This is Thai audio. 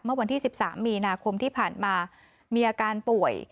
เมื่อวันที่๑๓มีนาคมที่ผ่านมามีอาการป่วย